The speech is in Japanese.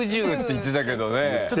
言ってたけどね。